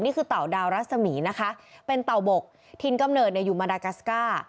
นี่คือเต่าดาวรัสสมีย์นะคะเป็นเต่าบกทินกำเนิดอยู่มาดากาสก้า